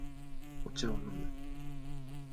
お茶を飲む